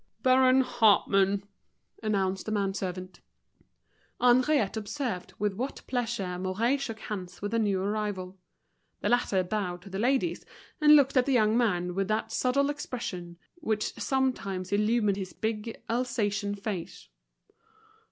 "Baron Hartmann," announced the man servant. Henriette observed with what pleasure Mouret shook hands with the new arrival. The latter bowed to the ladies and looked at the young man with that subtle expression which sometimes illumined his big Alsatian face.